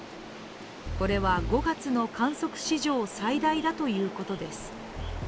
これは５月の観測史上最大だということです。